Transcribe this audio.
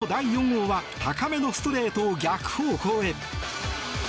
待望の第４号は高めのストレートを逆方向へ。